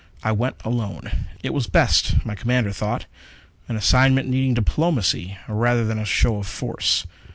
I went alone; it was best, my commander thought. An assignment needing diplomacy rather than a show of force.